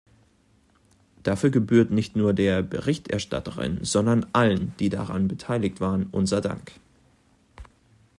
Dafür gebührt nicht nur der Berichterstatterin, sondern allen, die daran beteiligt waren, unser Dank.